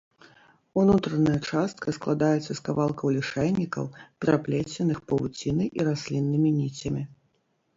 Унутраная частка складаецца з кавалкаў лішайнікаў, пераплеценых павуцінай і расліннымі ніцямі.